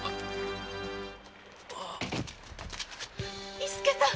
伊助さん！